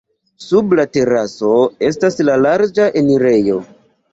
Sub la teraso estas la larĝa enirejo.